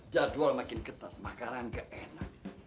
jadwal makin ketat makanan ke enak